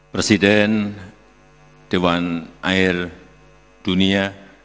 presiden dewan air dunia